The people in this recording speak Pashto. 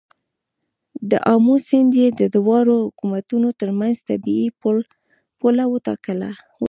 د آمو سیند یې د دواړو حکومتونو تر منځ طبیعي پوله وټاکه.